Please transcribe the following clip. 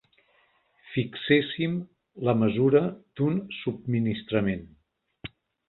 Fixéssim la mesura d'un subministrament.